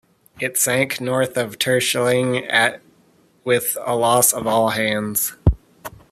It sank north of Terschelling at with a loss of all hands.